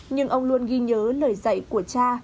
nhưng ông luôn ghi nhớ lời dạy của cha